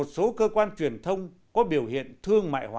đặc biệt là các cơ quan truyền thông có biểu hiện thương mại hóa